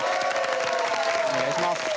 お願いします。